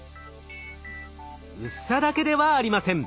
薄さだけではありません。